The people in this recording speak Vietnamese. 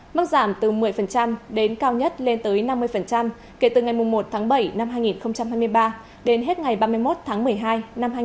mắc giảm từ một mươi đến cao nhất lên tới năm mươi kể từ ngày một bảy hai nghìn hai mươi ba đến hết ngày ba mươi một một mươi hai hai nghìn hai mươi ba